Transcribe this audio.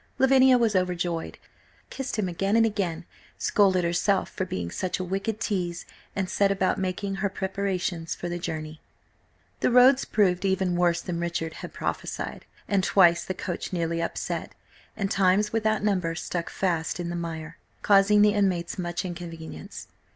Lavinia was overjoyed, kissed him again and again, scolded herself for being such a wicked tease, and set about making her preparations for the journey. The roads proved even worse than Richard had prophesied, and twice the coach nearly upset, and times without number stuck fast in the mire, causing the inmates much inconvenience.